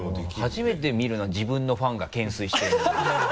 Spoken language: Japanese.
初めて見るな自分のファンが懸垂してるの。